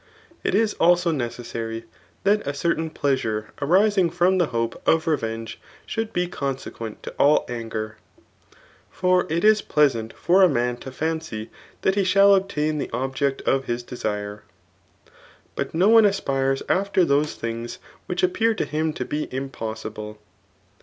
It is also necessary that a certain pleasure arisbg from the hope of revenge, should be consequent to all angen For it is pleasant for a man to fancy that he shall obtain the object of his desire ; but no one aspires after those things which appear to him to be impossible.